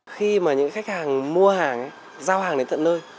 khi mà những khách hàng mua hàng giao hàng đến tận nơi